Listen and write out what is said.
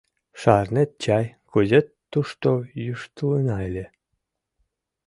Шарнет чай, кузе тушто йӱштылына ыле?